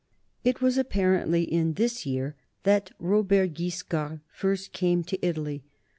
It was apparently in this year that Robert Guiscard first came to Italy.